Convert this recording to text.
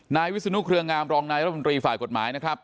วิศนุเครืองามรองนายรัฐมนตรีฝ่ายกฎหมายนะครับ